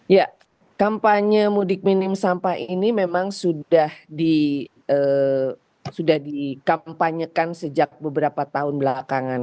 ya kampanye mudik minim sampah ini memang sudah dikampanyekan sejak beberapa tahun belakangan